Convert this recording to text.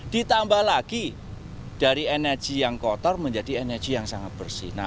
ditambah lagi dari energi yang kotor menjadi energi yang sangat bersih